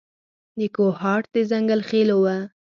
د کوهاټ د ځنګل خېلو و.